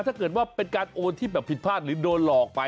ถ้าเกิดว่าเป็นการโอนที่แบบผิดพลาดหรือโดนหลอกไป